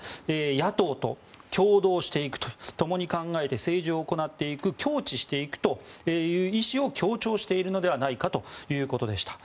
野党と共同していくと共に考えて政治を行っていく協治していくという意思を強調しているのではないかということでした。